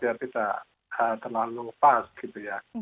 biar tidak terlalu pas gitu ya